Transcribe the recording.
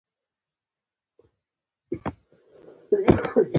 چای د سنګینې خبرې خوږوي